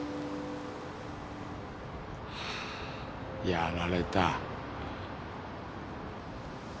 やられた。